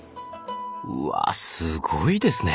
うわすごいですね！